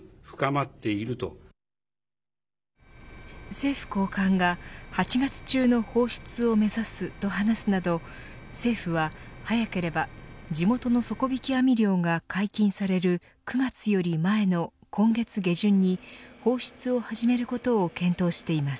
政府高官が８月中の放出を目指すと話すなど、政府は早ければ、地元の底引き網漁が解禁される９月より前の今月下旬に放出を始めることを検討しています。